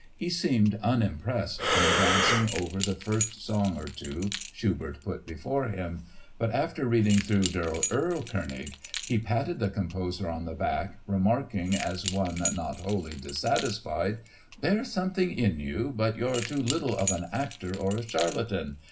He seemed unimpressed on glancing over the first song or two Schubert put before him, but after reading through Der Erlkönig he patted the composer on the back, remarking as one not wholly dissatisfied: "There's something in you, but you're too little of an actor or a charlatan.